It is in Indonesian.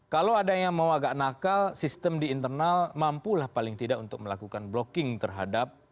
kalau ada yang mau agak nakal sistem di internal mampulah paling tidak untuk melakukan blocking terhadap